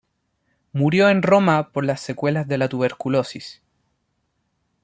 Murió en Roma por las secuelas de la tuberculosis.